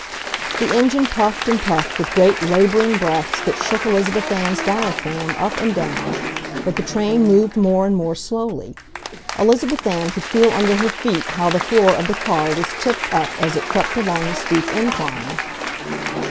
The engine puffed and puffed with great laboring breaths that shook Elizabeth Ann's diaphragm up and down, but the train moved more and more slowly. Elizabeth Ann could feel under her feet how the floor of the car was tipped up as it crept along the steep incline.